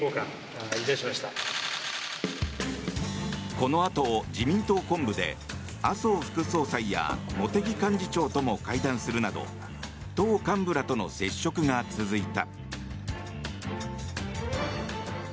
このあと自民党本部で麻生副総裁や茂木幹事長とも会談するなど党幹部らとの接触が続いた。